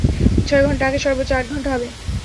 ছয় ঘন্টা আগে, সর্বোচ্চ আট ঘন্টা হবে।